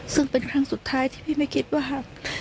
ซึ่งเป็นครั้งสุดท้ายที่พี่ไม่คิดว่า